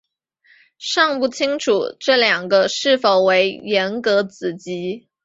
尚不清楚这两个是否为严格子集。